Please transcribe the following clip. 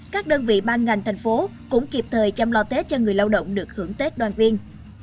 các đơn vị ban ngành thành phố cũng kịp thời chăm lo tết cho người lao động được hưởng tết đoàn viên